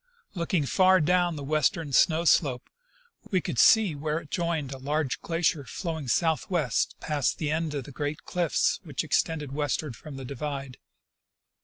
Looking far down the western snow slope, we could see where it joined a large glacier flowing southward past the end of the great cliffs which extended westward from the divide.